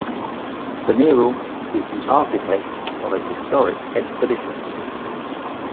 Benirall is the architect of a historic expedition.